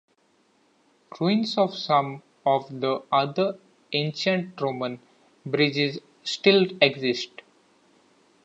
Ruins of some of the other ancient Roman bridges still exist.